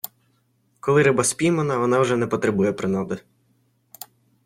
Коли риба спіймана, вона вже не потребує принади.